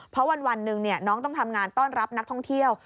เพราะวันหนึ่งน้องต้องทำงานต้อนรับนักท่องเที่ยว